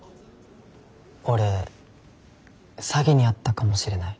俺詐欺に遭ったかもしれない。